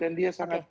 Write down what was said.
dan dia sangat